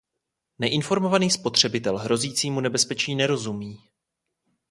Neinformovaný spotřebitel hrozícímu nebezpečí nerozumí.